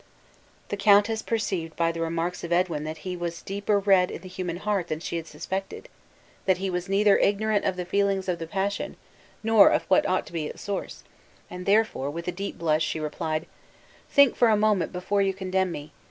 The countess perceived by the remarks of Edwin than he was deeper read in the human heart than she had suspected; that he was neither ignorant of the feelings of the passion, nor of what ought to be its source; and therefore, with a deep blush, she replied: "Think for a moment before you condemn me.